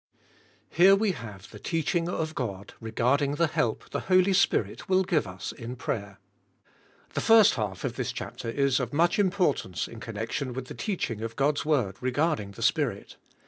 HERE we have the teaching of God regarding the help the Holy Spirit will give us in pra3^er. The first half of this chapter is of much importance in connection with the teaching of God's word regarding the Spirit.